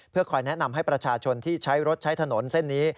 เพื่อคอยแนะนำให้ประชาชนที่ใช้รถใช้ถนนเส้นนี้